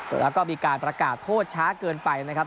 แล้วก็มีการประกาศโทษช้าเกินไปนะครับ